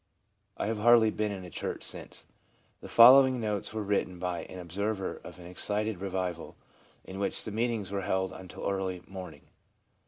I have hardly been in a church since/ The following notes were written by an observer of an excited revival, in which the meetings were held until early morning.